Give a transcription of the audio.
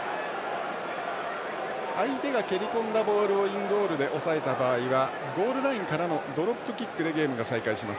相手が蹴り込んだボールをインゴールで押さえた場合はゴールラインからのドロップキックでゲームが再開します。